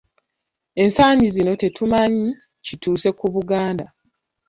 Ensangi zino tetumanyi kituuse ku Buganda.